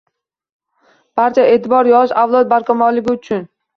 Barcha e’tibor yosh avlod barkamolligi uchun